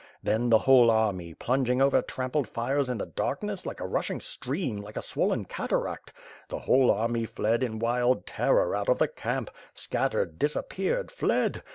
Then, the whole army, plunging over trampled fires in the darkness, like a rushing stream, like a swollen cataract; the whole army fled in wild terror, out of the camp; scattered, disappeared, fled.